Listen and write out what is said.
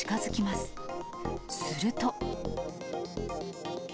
すると。